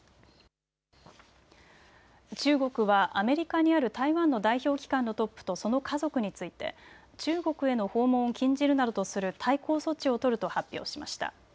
中国はアメリカにある台湾の代表機関のトップとその家族について中国への訪問を禁じるなどとする対抗措置を取ると発表しました。